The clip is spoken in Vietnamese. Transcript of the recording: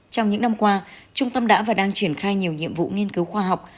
trong những năm qua trung tâm đã và đang triển khai nhiều nhiệm vụ nghiên cứu khoa học